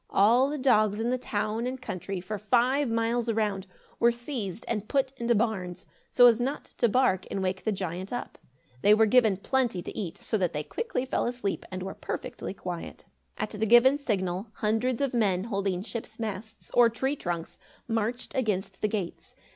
All the dogs in the town and country, for five miles around, were seized and put into barns, so as not to bark and wake the giant up. They were given plenty to eat, so that they quickly fell asleep and were perfectly quiet. At the given signal, hundreds of men holding ship's masts, or tree trunks, marched against the gates.